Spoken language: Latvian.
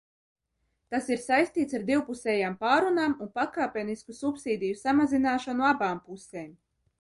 Tas ir saistīts ar divpusējām pārrunām un pakāpenisku subsīdiju samazināšanu abām pusēm.